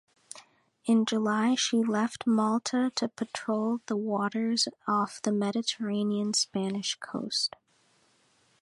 In July, she left Malta to patrol the waters off the Mediterranean Spanish coast.